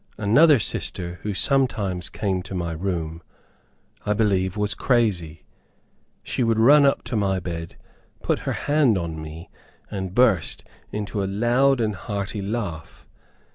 Another sister, who sometimes came to my room, I believe was crazy. She would run up to my bed, put her hand on me, and burst into a loud and hearty laugh.